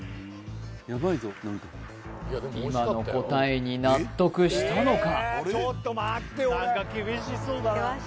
今の答えに納得したのか？